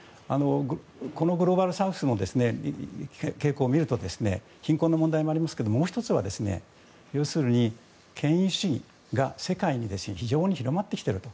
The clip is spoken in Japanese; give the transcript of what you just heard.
このグローバルサウスの傾向を見ると貧困の問題もありますけどもう１つは要するに、権威主義が世界に非常に広まってきてると。